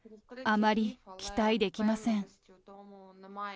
あまり期待できません。